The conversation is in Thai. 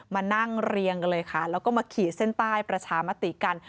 มานั่งเรียงกันเลยค่ะแล้วก็มาขีดเส้นใต้ประชามติกัน